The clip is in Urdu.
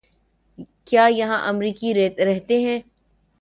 کیا یہاں امریکی رہتے ہیں؟